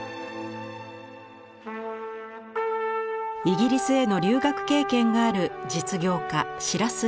イギリスへの留学経験がある実業家白洲